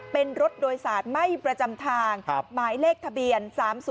เป็นรถโดยสารไม่ประจำทางหมายเลขทะเบียน๓๒